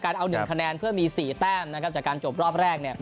การเอา๑คะแนนเพื่อมี๔แต้มจากการจบรอบแรก